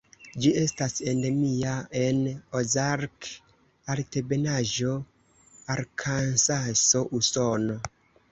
Ĝi estas endemia en Ozark-Altebenaĵo, Arkansaso, Usono.